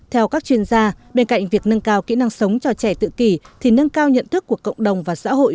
theo các chuyên gia bên cạnh việc nâng cao kỹ năng sống cho trẻ tự kỷ thì nâng cao nhận thức của cộng đồng và xã hội